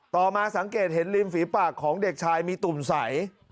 มาสังเกตเห็นริมฝีปากของเด็กชายมีตุ่มใส